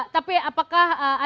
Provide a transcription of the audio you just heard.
tapi apakah anda juga sepakat